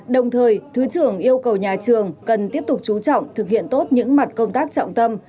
đồng thời thứ trưởng yêu cầu nhà trường cần tiếp tục chú trọng thực hiện tốt những mặt công tác trọng tâm